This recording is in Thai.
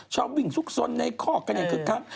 วิ่งซุกซนในคอกกันอย่างคึกคัก